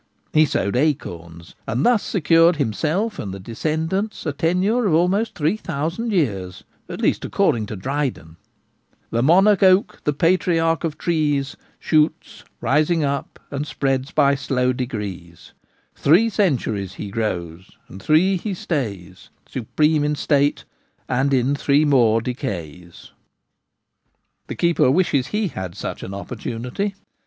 He sowed acorns, and thus secured himself and descendants a tenure of almost 3,00a years, at least, according to Dryden :— The monarch oak, the patriarch of trees, Shoots, rising up, and spreads by slow degrees ; Three centuries he grows, and three he stays Supreme in state, and in three more decays. The keeper wishes he had such an opportunity.